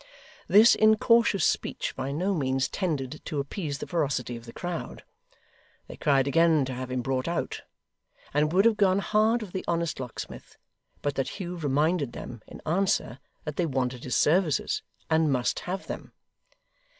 This incautious speech by no means tended to appease the ferocity of the crowd. They cried again to have him brought out; and it would have gone hard with the honest locksmith, but that Hugh reminded them, in answer, that they wanted his services, and must have them.